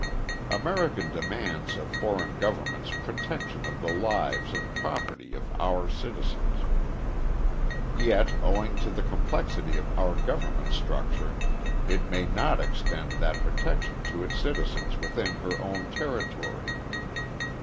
America demands of foreign governments protection of the lives and property of our citizens. Yet, owing to the complexity of our governmental structure, it may not extend that protection to its citizens within her own territory.